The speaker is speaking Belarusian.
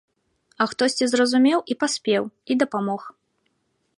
А хтосьці зразумеў і паспеў, і дапамог.